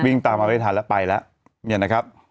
วิ่งตามออกไปทันแล้วไปแล้วเนี่ยนะครับ